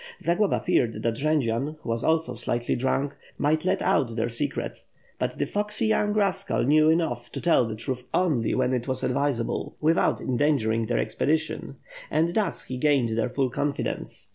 Zagloba feared that Jendzian, who was also slightly drunk, might let out their secret; but the foxy young rascal knew enough to tell the truth only when it was advisable, without endangering their expedition; and thus he gained their full confidence.